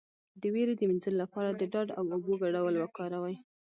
د ویرې د مینځلو لپاره د ډاډ او اوبو ګډول وکاروئ